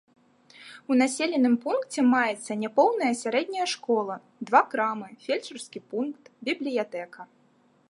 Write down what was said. У населеным пункце маецца няпоўная сярэдняя школа, два крамы, фельчарскі пункт, бібліятэка.